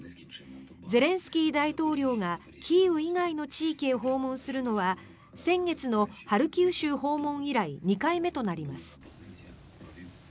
ゼレンスキー大統領がキーウ以外の地域へ訪問するのは先月のハルキウ州訪問以来２回目となります。